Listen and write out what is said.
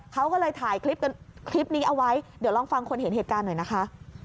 เขาก็เลยถ่ายคลิปกันคลิปนี้เอาไว้เดี๋ยวลองฟังคนเห็นเหตุการณ์หน่อยนะคะ